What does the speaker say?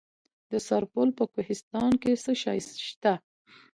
د سرپل په کوهستان کې څه شی شته؟